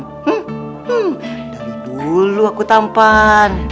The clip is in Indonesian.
dari dulu aku tampan